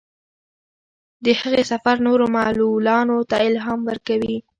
د هغې سفر نورو معلولانو ته الهام ورکوي.